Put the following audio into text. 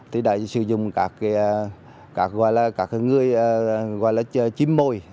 thì đã sử dụng các người gọi là chím môi